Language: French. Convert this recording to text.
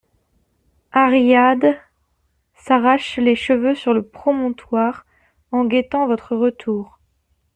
Ariadne s'arrache les cheveux sur le promontoire en guettant votre retour.